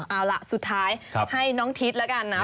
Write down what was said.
เอาล่ะสุดท้ายให้น้องทิศแล้วกันนะ